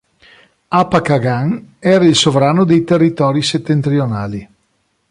Apa Qaghan era il sovrano dei territori settentrionali.